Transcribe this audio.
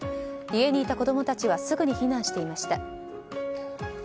家にいた子供たちはすぐに避難していました。